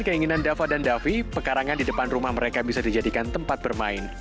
keinginan dava dan davi pekarangan di depan rumah mereka bisa dijadikan tempat bermain